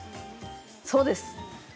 そうです。